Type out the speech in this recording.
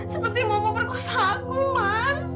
seperti mau memperkosa aku man